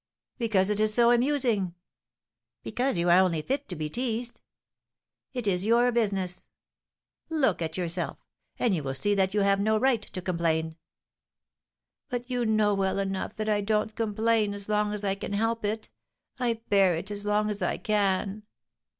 "Because it is so amusing." "Because you are only fit to be teased." "It is your business." "Look at yourself, and you will see that you have no right to complain." "But you know well enough that I don't complain as long as I can help it; I bear it as long as I can."